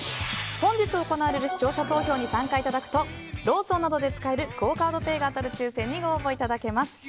本日行われる視聴者投票に参加いただくとローソンなどで使えるクオ・カードペイが当たる抽選にご応募いただけます。